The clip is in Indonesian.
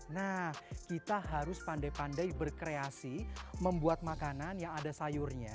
nah kita harus pandai pandai berkreasi membuat makanan yang ada sayurnya